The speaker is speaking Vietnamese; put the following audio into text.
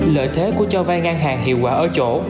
lợi thế của cho vay ngang hàng hiệu quả ở chỗ